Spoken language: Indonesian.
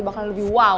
bakalan lebih wow